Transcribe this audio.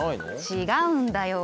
違うんだよ。